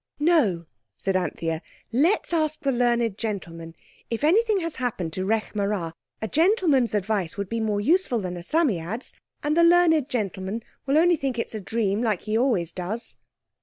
"No," said Anthea, "let's ask the learned gentleman. If anything has happened to Rekh marā a gentleman's advice would be more useful than a Psammead's. And the learned gentleman'll only think it's a dream, like he always does."